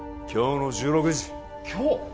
今日の１６時今日？